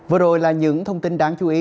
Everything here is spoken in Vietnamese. vừa rồi là những thông tin đáng chú ý